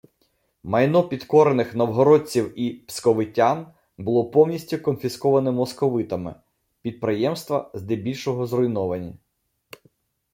Майно підкорених новгородців і псковитян було повністю конфісковане московитами, підприємства здебільшого зруйновані